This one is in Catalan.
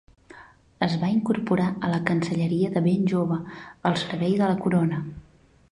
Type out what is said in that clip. Es va incorporar a la Cancelleria de ben jove, al servei de la Corona.